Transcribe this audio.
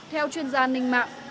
theo chuyên gia ninh mạng